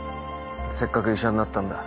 せっかく医者になったんだ。